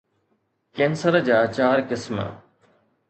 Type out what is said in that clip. cancer جا چار قسم